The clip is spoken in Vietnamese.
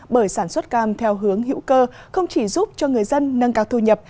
bởi sản xuất cam theo hướng hữu cơ không chỉ giúp cho người dân nâng cao thu nhập